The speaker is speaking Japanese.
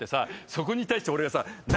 そこに対して俺がさ。